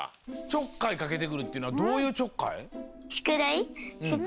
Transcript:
ちょっかいかけてくるっていうのはどういうちょっかい？